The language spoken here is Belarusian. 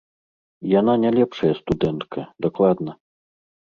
Яна не лепшая студэнтка, дакладна.